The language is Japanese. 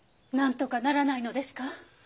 なんとかならないのですか？